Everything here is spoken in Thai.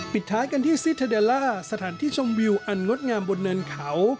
ท้ายกันที่ซิเทอร์เดลล่าสถานที่ชมวิวอันงดงามบนเนินเขา